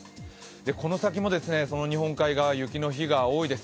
この先も日本海側は雪の日が多いです。